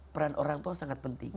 peran orang tua sangat penting